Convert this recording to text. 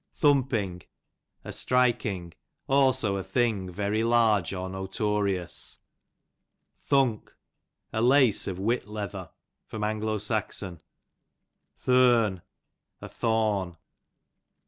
Thumping, a strikifig ; also a thing very large or notorious. Thunk, a lace of whit leather. A.S. Thurn, a thorn.